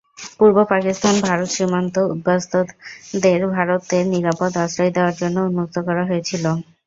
পূর্ব পাকিস্তান-ভারত সীমান্ত উদ্বাস্তুদের ভারতে নিরাপদ আশ্রয় দেওয়ার জন্য উন্মুক্ত করা হয়েছিল।